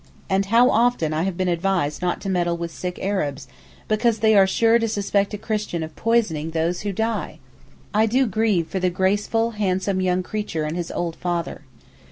And how often I have been advised not to meddle with sick Arabs, because they are sure to suspect a Christian of poisoning those who die! I do grieve for the graceful, handsome young creature and his old father.